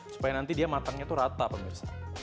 supaya nanti dia matangnya itu rata pemirsa